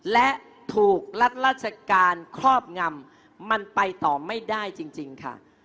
และถูกรัฐราชการครอบงำมันไปต่อไม่ได้จริงค่ะ